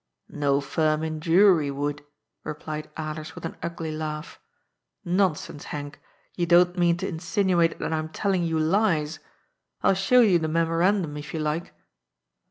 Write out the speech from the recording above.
" No firm in Jewry would," replied Alers with an ugly laugh. "Nonsense, Henk, you don't mean to insinuate that I'm telling you lies? I'U show you the memorandum if you like."